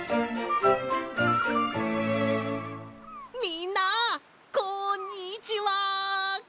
みんなこんにちは！